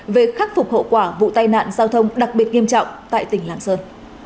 về khắc phục hậu quả vụ tai nạn giao thông đặc biệt nghiêm trọng tại tỉnh lạng sơn